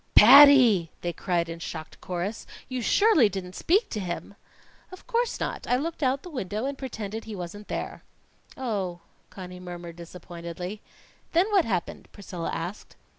"Patty!" they cried in shocked chorus. "You surely didn't speak to him?" "Of course not. I looked out of the window and pretended he wasn't there." "Oh!" Conny murmured disappointedly. "Then what happened?" Priscilla asked.